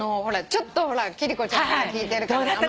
ちょっと貴理子ちゃんから聞いてる。